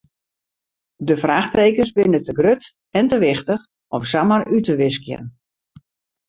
De fraachtekens binne te grut en te wichtich om samar út te wiskjen.